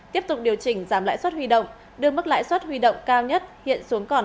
tiếp tục điều chỉnh giảm lãi suất huy động đưa mức lãi suất huy động cao nhất hiện xuống còn